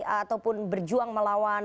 ataupun berjuang melawan